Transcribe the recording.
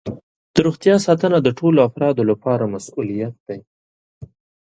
د روغتیا ساتنه د ټولو افرادو لپاره مسؤولیت دی.